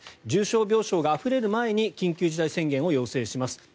重症病床があふれる前に緊急事態宣言を要請します。